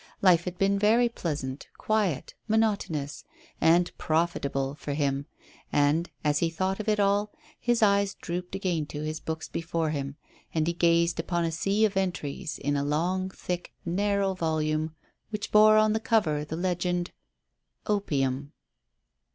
Life had been very pleasant, quiet, monotonous, and profitable for him, and, as he thought of it all, his eyes drooped again to his books before him, and he gazed upon a sea of entries in a long, thick, narrow volume which bore on the cover the legend OPIUM.